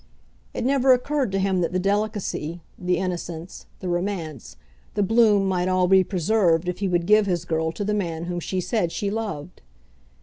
It never occurred to him that the delicacy, the innocence, the romance, the bloom might all be preserved if he would give his girl to the man whom she said she loved.